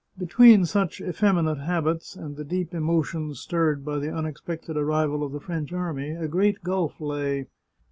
Between such effeminate habits and the deep emotions stirred by the unexpected arrival of the French army, a great gulf lay.